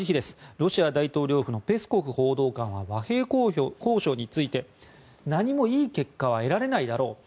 ロシア大統領府のペスコフ報道官は和平交渉について何もいい結果は得られないだろう。